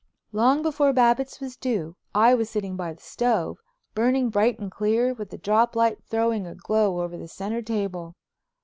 Long before Babbitts was due I was sitting by the stove, burning bright and clear, with the drop light throwing a glow over the center table.